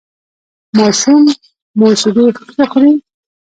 ماشوم مو شیدې ښه خوري؟